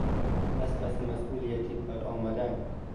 از پس مسئولیتی برآمدن